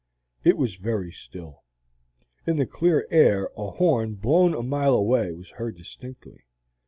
It was very still. In the clear air a horn blown a mile away was heard distinctly.